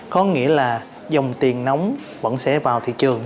có nghĩa là dòng tiền nóng vẫn sẽ vào thị trường